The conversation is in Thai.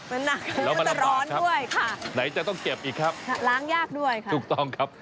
มันหนักแล้วมันจะร้อนด้วยค่ะไหนจะต้องเก็บอีกครับล้างยากด้วยค่ะถูกต้องครับ